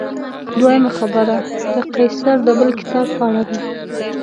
دویمه خبره د قیصر د بل کتاب په اړه ده.